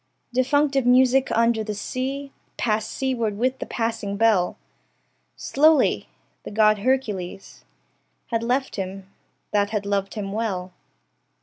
Defunctive music under sea Passed seaward with the passing bell Slowly: the God Hercules Had left him, that had loved him well.